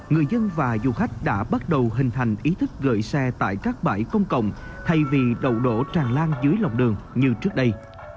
người dân và du khách đã bắt đầu hình thành ý thức gửi xe tại các bãi công cộng thay vì đậu đổ tràn lan dưới lòng đường như trước đây